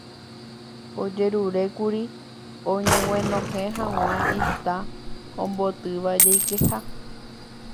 ojerurékuri oñeguenohẽ hag̃ua ita ombotýva jeikeha